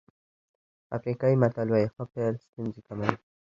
افریقایي متل وایي ښه پيل ستونزې کموي.